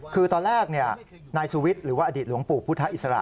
คือตอนแรกนายสุวิทย์หรือว่าอดีตหลวงปู่พุทธอิสระ